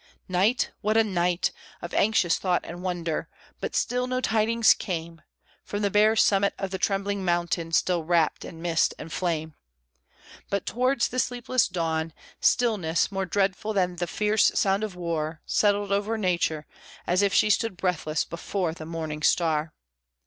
Night what a night! of anxious thought and wonder, but still no tidings came From the bare summit of the trembling mountain, still wrapped in mist and flame. But towards the sleepless dawn, stillness, more dreadful than the fierce sound of war, Settled o'er Nature, as if she stood breathless before the morning star.